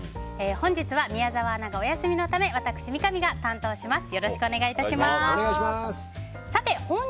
本日は宮澤アナがお休みのため私、三上が担当します。